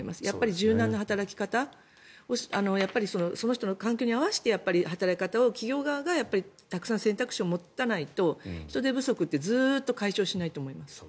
柔軟な働き方その人の環境に合わせて働き方を企業側がたくさん選択肢を持たないと人手不足ってずっと解消しないと思います。